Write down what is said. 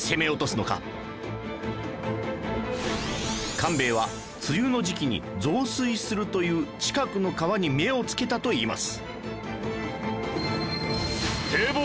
官兵衛は梅雨の時期に増水するという近くの川に目をつけたといいます